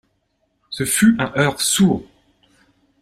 Ce fut un heurt sourd.